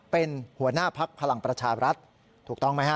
เป็นหัวหน้าพักพลังประชารัฐถูกต้องไหมฮะ